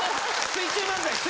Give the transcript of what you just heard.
水中漫才！